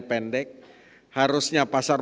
pendek harusnya pasar